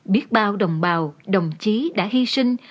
biết bao đồng bào đồng chí đã hy sinh